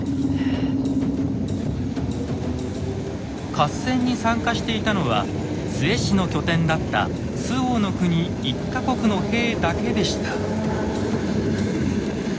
合戦に参加していたのは陶氏の拠点だった周防国１か国の兵だけでした。